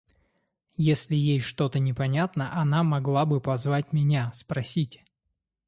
Если ей что непонятно, она могла бы позвать меня, спросить.